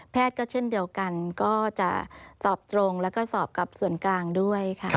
ก็เช่นเดียวกันก็จะสอบตรงแล้วก็สอบกับส่วนกลางด้วยค่ะ